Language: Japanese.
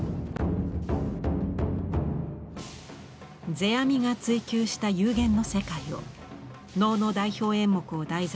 世阿弥が追求した「幽玄」の世界を能の代表演目を題材に表現。